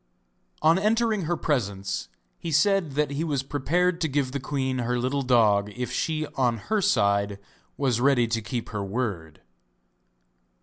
On entering her presence he said that he was prepared to give the queen her little dog if she on her side was ready to keep her word.